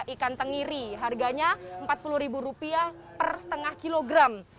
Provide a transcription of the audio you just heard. ikan tengiri harganya rp empat puluh per setengah kilogram